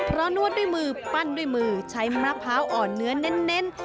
เพราะนวดด้วยมือปั้นด้วยมือใช้มะพร้าวอ่อนเนื้อเน้น